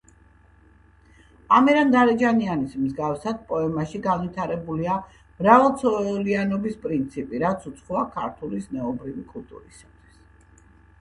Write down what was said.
ამირანდარეჯანიანის მსგავსად, პოემაში განვითარებულია მრავალცოლიანობის პრინციპი, რაც უცხოა ქართული ზნეობრივი კულტურისათვის.